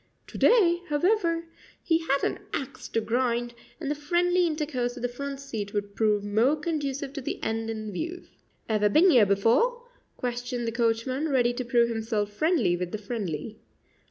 To day, however, he had an axe to grind, and the friendly intercourse of the front seat would prove more conducive to the end in view. "Ever been ere before?" questioned the coachman, ready to prove himself friendly with the friendly.